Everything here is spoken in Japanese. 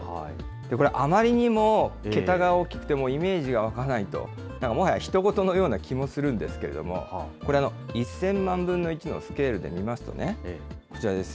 これ、あまりにも桁が大きくて、もうイメージが湧かないと、もはやひと事のような気もするんですけれども、これ、１０００万分の１のスケールで見ますとね、こちらです。